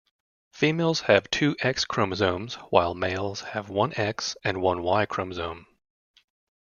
Females have two X chromosomes, while males have one X and one Y chromosome.